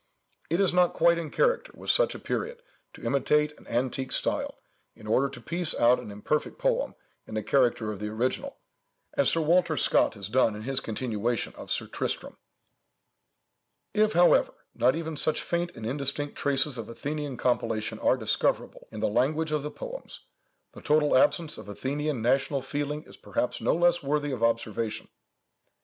It is not quite in character with such a period to imitate an antique style, in order to piece out an imperfect poem in the character of the original, as Sir Walter Scott has done in his continuation of Sir Tristram. "If, however, not even such faint and indistinct traces of Athenian compilation are discoverable in the language of the poems, the total absence of Athenian national feeling is perhaps no less worthy of observation.